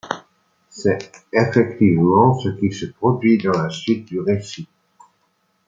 C'est effectivement ce qui se produit dans la suite du récit.